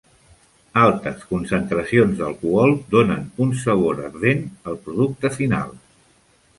Altes concentracions d'alcohol donen un sabor ardent al producte final.